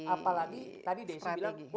apalagi tadi desi bilang